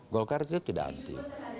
golkar itu tidak anti